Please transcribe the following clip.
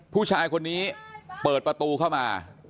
ผู้ชายคนนี้เปิดประตูเข้ามา